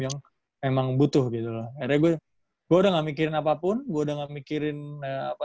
yang memang butuh gitu lah akhirnya gua gua udah nggak mikirin apapun gua udah nggak mikirin apa